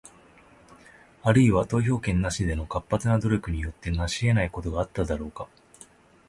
あるいは、投票権なしでの活発な努力によって成し得ないことがあったのだろうか？